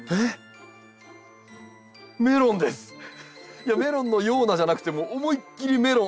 いやメロンのようなじゃなくてもう思いっきりメロン。